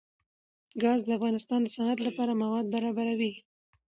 ګاز د افغانستان د صنعت لپاره مواد برابروي.